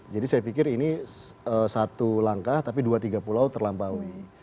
jadi saya pikir ini satu langkah tapi dua tiga pulau terlampaui